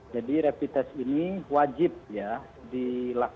jadi rapid test ini wajib ya dilakukan